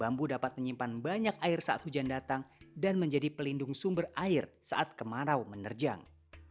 bambu dapat menyimpan banyak air saat hujan datang dan menjadi pelindung sumber air saat kemarau menerjang